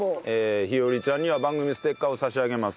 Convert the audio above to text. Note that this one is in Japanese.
ひよりちゃんには番組ステッカーを差し上げます。